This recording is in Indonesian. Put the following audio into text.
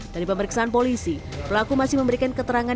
dari pemeriksaan polisi pelaku masih memberikan keterangan